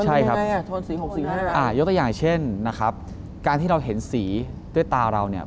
ใช่ครับยกตัวอย่างเช่นนะครับการที่เราเห็นสีด้วยตาเราเนี่ย